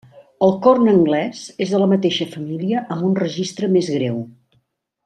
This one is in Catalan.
El corn anglès és de la mateixa família, amb un registre més greu.